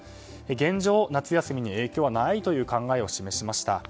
現状、夏休みに影響はないという考えを示しました。